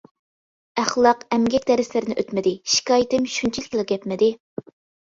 «ئەخلاق» ، «ئەمگەك» دەرسلەرنى ئۆتمىدى، شىكايىتىم شۇنچىلىكلا گەپمىدى.